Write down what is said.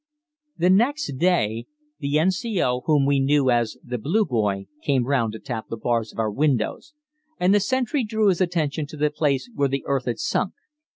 The next day the N.C.O. whom we knew as the "Blue Boy" came round to tap the bars of our windows, and the sentry drew his attention to the place where the earth had sunk.